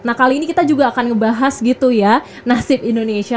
nah kali ini kita juga akan ngebahas gitu ya nasib indonesia